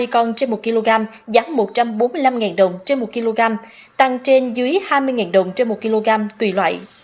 hai mươi con trên một kg giá một trăm bốn mươi năm đồng trên một kg tăng trên dưới hai mươi đồng trên một kg tùy loại